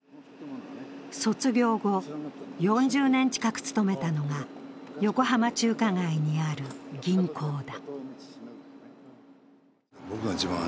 卒業後、４０年近く勤めたのが横浜中華街にある銀行だ。